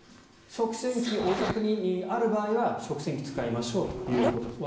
食洗機、お宅にある場合は食洗機を使いましょうということです。